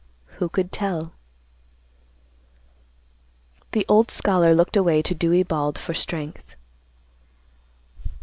Who could tell? The old scholar looked away to Dewey Bald for strength.